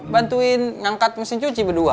bantuin ngangkat mesin cuci berdua